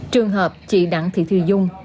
trường hợp chị đặng thị thư dung